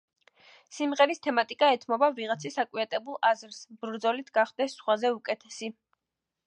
სიმღერის თემატიკა ეთმობა ვიღაცის აკვიატებულ აზრს, ბრძოლით გახდეს სხვაზე უკეთესი.